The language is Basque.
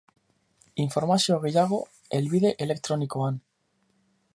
Informazio gehiago helbide elektronikoan.